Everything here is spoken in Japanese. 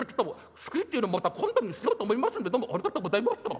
好きって言うのまた今度にしようと思いますんでどうもありがとうございました」。